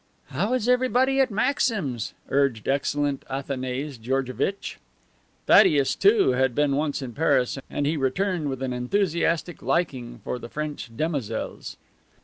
"How is everybody at Maxim's?" urged the excellent Athanase Georgevitch. Thaddeus, too, had been once in Paris and he returned with an enthusiastic liking for the French demoiselles.